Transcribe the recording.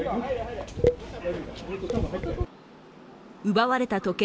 奪われた時計